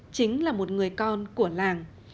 chính là một người con của làng